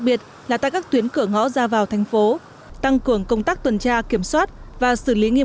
biệt là tại các tuyến cửa ngõ ra vào thành phố tăng cường công tác tuần tra kiểm soát và xử lý nghiêm